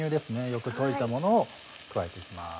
よく溶いたものを加えていきます。